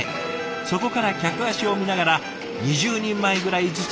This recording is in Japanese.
そこから客足を見ながら２０人前ぐらいずつ追加。